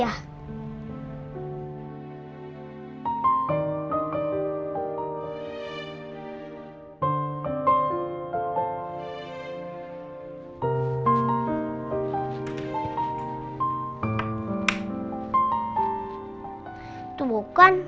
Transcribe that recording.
masa itu udah berakhir